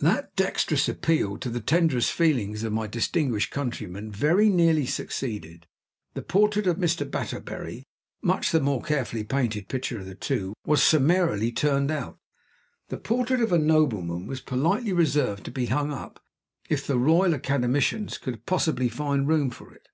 That dexterous appeal to the tenderest feelings of my distinguished countrymen very nearly succeeded. The portrait of Mr. Batterbury (much the more carefully painted picture of the two) was summarily turned out. The Portrait of a Nobleman was politely reserved to be hung up, if the Royal Academicians could possibly find room for it.